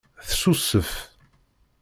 Tessusef.